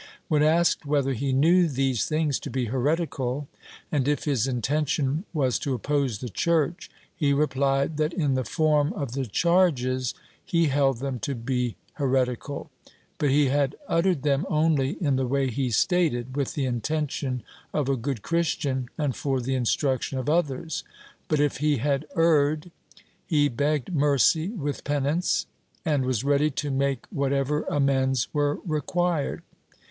When asked » Coleccion, II, 1 37. ^ Ibidem, II, 40 45. Chap. VII] FRANCISCO SANCHEZ lg5 whether he knew these things to be heretical and if his intention was to oppose the Church, he repUed that in the form of the charges he held them to be heretical, but he had uttered them only in the way he stated, with the intention of a good Christian and for the instruction of others, but, if he had erred, be begged mercy with penance, and was ready to make whatever amends were rec|uired.